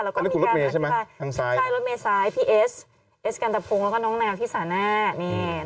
แล้วมีการใช่ใช่รถเมล์ซ้ายพี่เอสเอสกันตะพงแล้วก็น้องแนวที่สาแน่นี่